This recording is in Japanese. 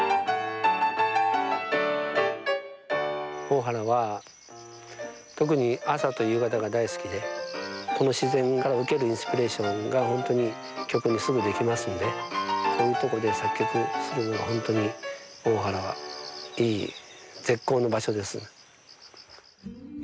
大原は特に朝と夕方が大好きでこの自然から受けるインスピレーションが本当に曲にすぐできますんでこういうとこで作曲するのは本当に大原はいい絶好の場所ですね。